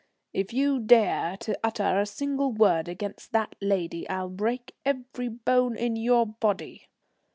"If you dare to utter a single word against that lady, I'll break every bone in your body."